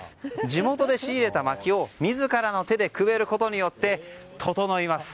地元で仕入れたまきを自らの手でくべることによって整います。